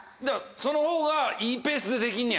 そのほうがいいペースでできんねや？